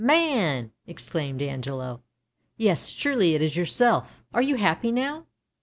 "Man!" exclaimed Angelo. "Yes, surely it is yourself. Are you happy now?